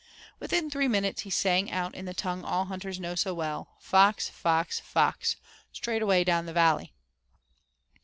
Within three minutes he sang out in the tongue all hunters know so well, "Fox! fox! fox! straight away down the valley."